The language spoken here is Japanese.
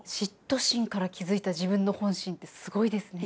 嫉妬心から気付いた自分の本心ってすごいですね。